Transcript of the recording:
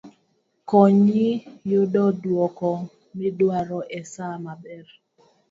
konyi yudo dwoko midwaro e sa maber